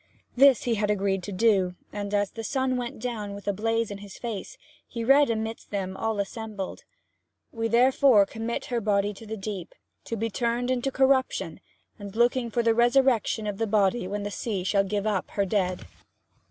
This he had agreed to do; and as the sun went down with a blaze in his face he read amidst them all assembled: 'We therefore commit her body to the deep, to be turned into corruption, looking for the resurrection of the body when the sea shall give up her dead.'